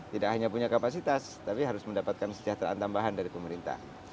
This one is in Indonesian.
tidak hanya punya kapasitas tapi harus mendapatkan kesejahteraan tambahan dari pemerintah